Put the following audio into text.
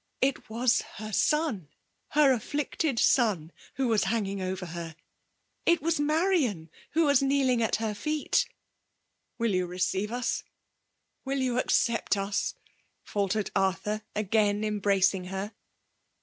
It was her son — her afflicted son — who was hanging over her ! It was Marian who was kneeling at her feet !•Win you receive us ?— ^Wfll you accept us ?*'— ^&ltered Arthur, again embracing her.